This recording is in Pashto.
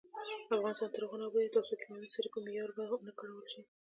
افغانستان تر هغو نه ابادیږي، ترڅو کیمیاوي سرې په معیار ونه کارول شي.